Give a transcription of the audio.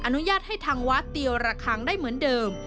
อนุญาตให้ทางวัดเตียวระคังได้เหมือนเดิม